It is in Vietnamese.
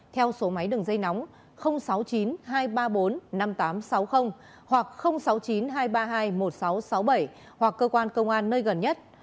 theo số máy đường dây nóng sáu mươi chín hai trăm ba mươi bốn năm nghìn tám trăm sáu mươi hoặc sáu mươi chín hai trăm ba mươi hai một nghìn sáu trăm sáu mươi bảy hoặc cơ quan công an nơi gần nhất